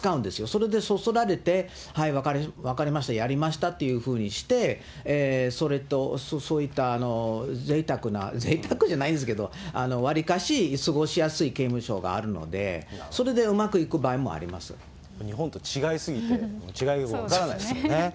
それでそそられて、はい、分かりました、やりましたっていうふうにして、それと、そういったぜいたくな、ぜいたくじゃないんですけれども、わりかし過ごしやすい刑務所があるので、それでうまくいく場合も日本と違い過ぎて、違いが分からないですよね。